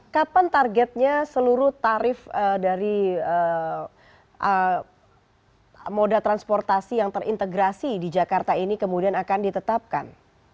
kapan targetnya seluruh tarif dari moda transportasi yang terintegrasi di jakarta ini kemudian akan ditetapkan